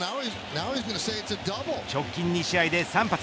直近２試合で３発。